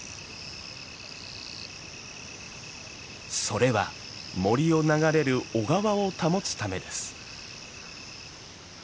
それは森を流れる小川を保つためです。